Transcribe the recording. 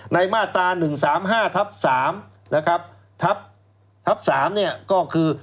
มาตรา๑๓๕ทับ๓นะครับทัพ๓เนี่ยก็คือ